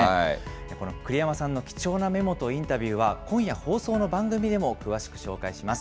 この栗山さんの貴重なメモとインタビューは、今夜放送の番組でも詳しく紹介します。